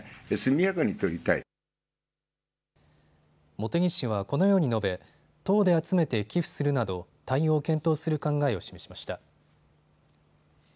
茂木氏はこのように述べ党で集めて寄付するなど対応を検討する考えを示しました。